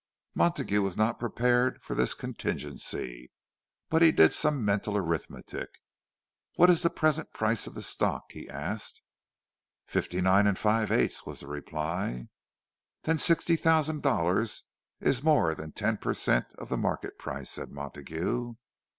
Montague was not prepared for this contingency; but he did some mental arithmetic. "What is the present price of the stock?" he asked. "Fifty nine and five eighths," was the reply. "Then sixty thousand dollars is more than ten per cent, of the market price," said Montague.